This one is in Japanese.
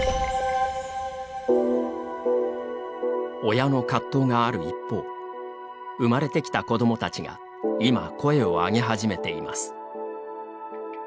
親の葛藤がある一方生まれてきた子どもたちが今、声を上げ始めています。